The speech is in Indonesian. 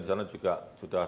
di sana juga sudah